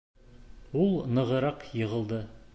— Ул нығыраҡ йығылды.